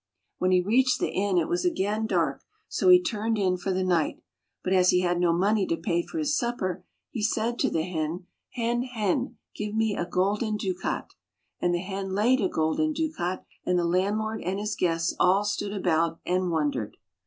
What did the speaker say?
When he reached the inn, it was again dark, so he turned in for the night. But as he had no money to pay for his supper, he said to the hen, " Hen, hen, give me a golden ducat." And the hen laid a golden ducat, and the landlord and his guests all stood about and wondered.